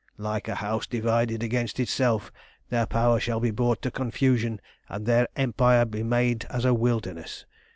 Like a house divided against itself, their power shall be brought to confusion, and their empire be made as a wilderness.